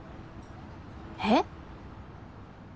えっ？